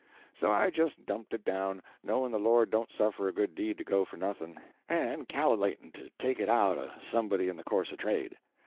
So I just dumped it down, knowin' the Lord don't suffer a good deed to go for nothin', and cal'latin' to take it out o' somebody in the course o' trade.